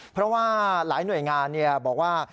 เพราะว่าหลายหน่วยงานบอกว่า